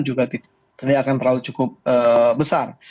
juga tidak akan terlalu cukup besar